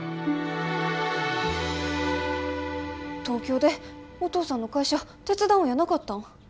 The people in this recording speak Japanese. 東京でお父さんの会社手伝うんやなかったん？